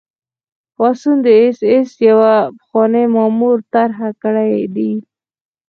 پاڅون د اېس ایس یوه پخواني مامور طرح کړی دی